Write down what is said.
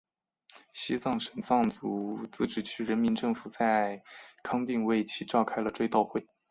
西康省藏族自治区人民政府在康定为其召开了追悼会。